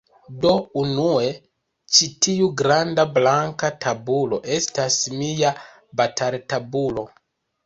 Do, unue, ĉi tiu granda blanka tabulo estas mia bataltabulo